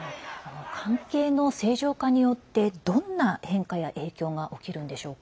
関係の正常化によってどんな変化や影響が起きるんでしょうか？